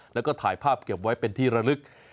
แล้วก็ถ่ายภาพเก็บไว้เป็นที่ระลึก